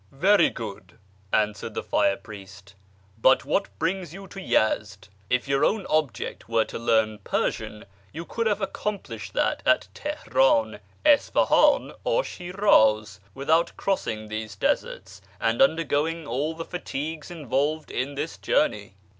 " Very good," answered the fire priest, " but what brings you to Yezd ? If your only object were to learn Persian, you could have accomplished that at Teheran, Isfah; in, or Sliir; iz, without crossing these deserts, and undergoing all the fatigues involved in this journey."